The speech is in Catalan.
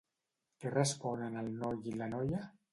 Què responen el noi i la noia?